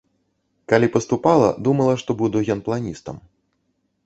Калі паступала, думала, што буду генпланістам.